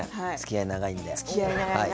つきあい長いんで。